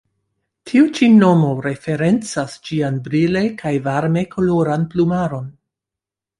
Tiu ĉi nomo referencas ĝian brile kaj varme koloran plumaron.